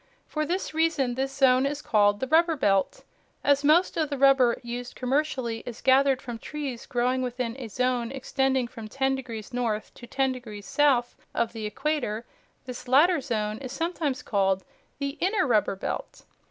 For this reason this zone is called the Rubber Belt. As most of the rubber used commercially is gathered from trees growing within a zone extending from ten degrees north to ten degrees south of the equator, this latter zone is sometimes called the Inner Rubber Belt.